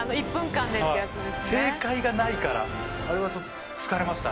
正解がないからあれはちょっと疲れましたね。